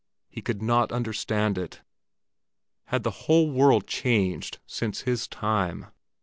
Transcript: He could not understand it. Had the whole world changed since his time?